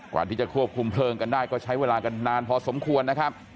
กว่าที่จะควบคุมเพลิงกันได้ก็ใช้เวลากันนานพอสมควรนะครับ